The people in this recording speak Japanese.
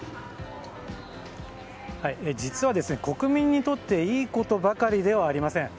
実は国民にとっていいことばかりではありません。